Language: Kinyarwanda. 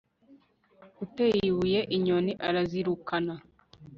uteye ibuye inyoni, arazirukana